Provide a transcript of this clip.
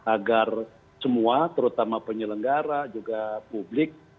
agar semua terutama penyelenggara juga publik